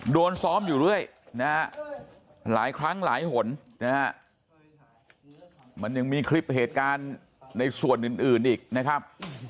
โดนซ้อมอยู่เรื่อยนะฮะหลายครั้งหลายหนนะฮะมันยังมีคลิปเหตุการณ์ในส่วนอื่นอีกนะครับ